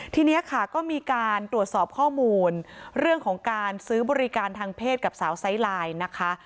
ทีนี้ค่ะก็มีการตรวจสอบข้อมูลเรื่องของการซื้อบริการทางเพศกับสาวไซไลน์นะคะ